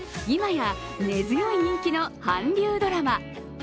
いまや根強い人気の韓流ドラマ。